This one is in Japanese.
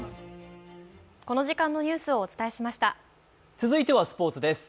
続いてはスポーツです。